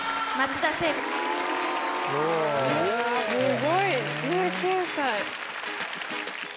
すごい１９歳。